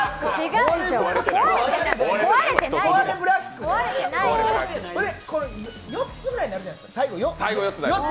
最後、４つぐらいになるじゃないですか。